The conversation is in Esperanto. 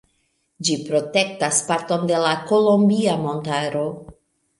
Ĝi protektas parton de la Kolumbia Montaro.